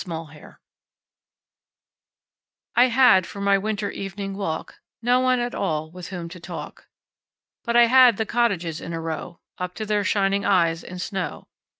Good Hours I HAD for my winter evening walk No one at all with whom to talk, But I had the cottages in a row Up to their shining eyes in snow.